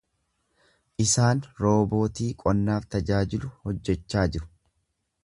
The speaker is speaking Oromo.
Isaan roobootii qonnaaf tajaajilu hojjechaa jiru.